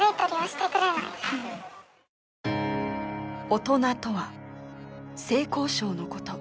「大人」とは性交渉のこと。